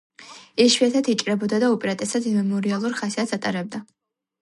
იშვიათად იჭრებოდა და უპირატესად მემორიალურ ხასიათს ატარებდა.